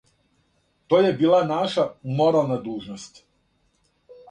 То је била наша морална дужност...